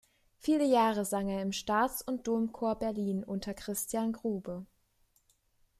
Viele Jahre sang er im Staats- und Domchor Berlin unter Christian Grube.